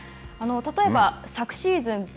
例えば昨シーズン